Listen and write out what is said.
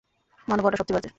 মানব হওয়াটা সবচেয়ে বাজে।